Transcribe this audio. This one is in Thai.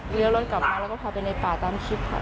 รถกลับมาแล้วก็พาไปในป่าตามคลิปค่ะ